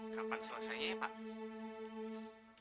kapan selesainya ya pak